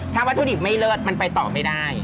ถ้าวัตถุดิบไม่เลิศมันไปต่อไม่ได้